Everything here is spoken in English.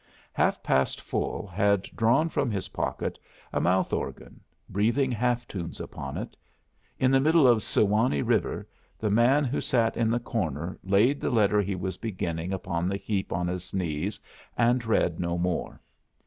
Half past Full had drawn from his pocket a mouthorgan, breathing half tunes upon it; in the middle of "Suwanee River" the man who sat in the corner laid the letter he was beginning upon the heap on his knees and read no more.